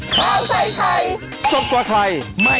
โปรดติดตามตอนต่อไป